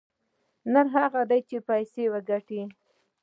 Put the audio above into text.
نر هغه دى چې پيسې وگټي.